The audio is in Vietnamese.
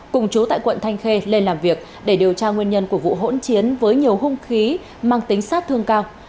cùng chú tại quận thanh khê lên làm việc để điều tra nguyên nhân của vụ hỗn chiến với nhiều hung khí mang tính sát thương cao